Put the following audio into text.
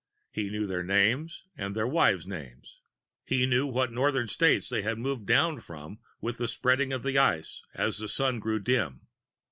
He knew their names and their wives' names. He knew what northern states they had moved down from with the spreading of the ice, as the sun grew dim.